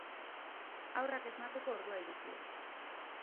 Haurrak esnatzeko ordua iritsi da.